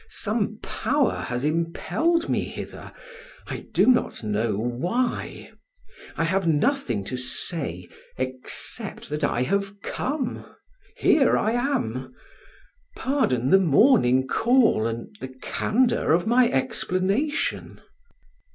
Some power has impelled me hither, I do not know why; I have nothing to say except that I have come; here I am! Pardon the morning call and the candor of my explanation."